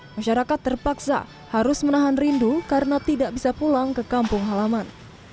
masyarakat terpaksa harus menahan rindu karena tidak bisa pulang ke kampung halaman